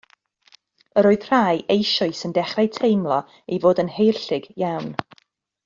Yr oedd rhai eisoes yn dechrau teimlo ei fod yn haerllug iawn.